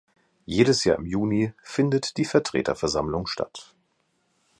Jedes Jahr im Juni findet die Vertreterversammlung statt.